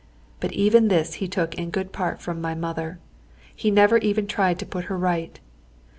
But even this he took in good part from my mother. He never even tried to put her right.